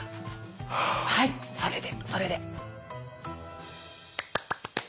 はいそれでそれで。